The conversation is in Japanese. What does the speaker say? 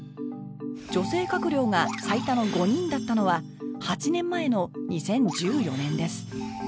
女性閣僚が最多の５人だったのは８年前の２０１４年です